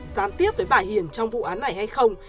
gián tiếp với bà hiền trong vụ án này hay không